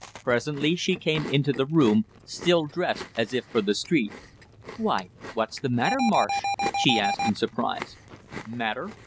Presently she came into the room, still dressed as if for the street. "Why, what's the matter, Marsh?" she asked in surprise. "Matter?